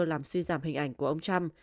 làm suy giảm hình ảnh của ông trump